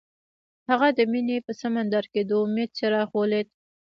هغه د مینه په سمندر کې د امید څراغ ولید.